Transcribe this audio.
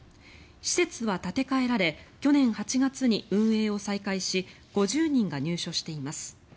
施設は建て替えられ去年８月に運営を再開し５０人が入所しています。